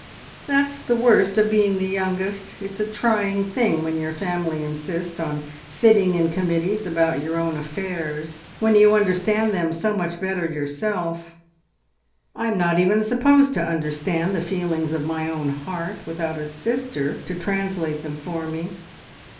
"That's the worst of being the youngest. ... It's a trying thing when your family insist on sitting in committees about your own affairs, when you understand them so much better yourself. I'm not even supposed to understand the feelings of my own heart without a sister to translate them for me.